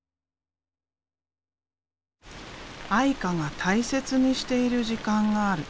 あいかが大切にしている時間がある。